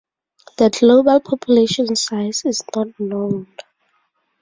The global population size is not known.